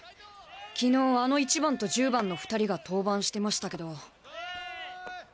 昨日あの１番と１０番の２人が登板してましたけど。